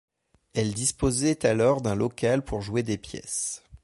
Elle disposait alors d'un local pour jouer des pièces.